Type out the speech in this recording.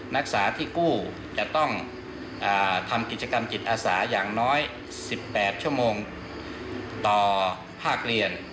นักศึกษาที่กู้จะต้องทำกิจกรรมจิตอาสาอย่างน้อย๑๘ชั่วโมงต่อภาคเรียน